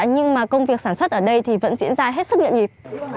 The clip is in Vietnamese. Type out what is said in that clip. nhưng công việc sản xuất ở đây vẫn diễn ra hết sức nhận nhịp